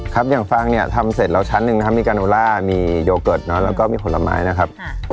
ครับอย่างฟางเนี่ยทำเสร็จแล้วชั้นหนึ่งนะครับมีการโอล่ามีโยเกิร์ตแล้วก็มีผลไม้นะครับ